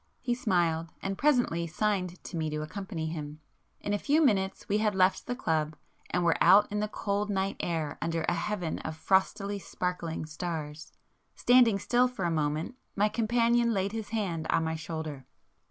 He smiled,—and presently signed to me to accompany him. In a few minutes we had left the club, and were out in the cold night air under a heaven of frostily sparkling stars. Standing still for a moment, my companion laid his hand on my shoulder.